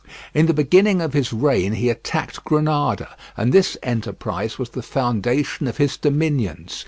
In the beginning of his reign he attacked Granada, and this enterprise was the foundation of his dominions.